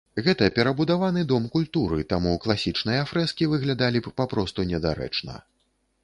Гэта перабудаваны дом культуры, таму класічныя фрэскі выглядалі б папросту недарэчна.